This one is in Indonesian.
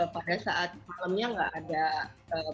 pada saat malamnya nggak ada